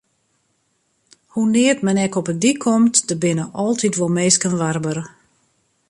Hoenear't men ek op 'e dyk komt, der binne altyd wol minsken warber.